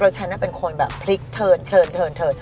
แล้วฉันอะเป็นคนแบบพลิกเทิน